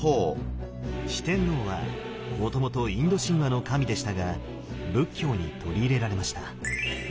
四天王はもともとインド神話の神でしたが仏教に取り入れられました。